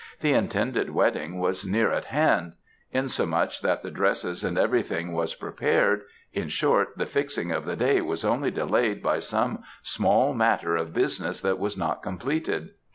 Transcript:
The intended wedding was near at hand; insomuch that the dresses and everything was prepared in short, the fixing of the day was only delayed by some small matter of business that was not completed.